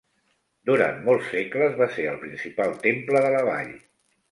Durant molts segles va ser el principal temple de la vall.